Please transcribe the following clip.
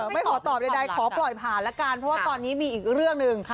ไม่ขอตอบใดขอปล่อยผ่านละกันเพราะว่าตอนนี้มีอีกเรื่องหนึ่ง